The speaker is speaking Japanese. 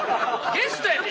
ゲストやで。